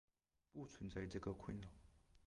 不存在这个困扰。